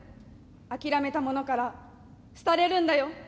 諦めたものから廃れるんだよ。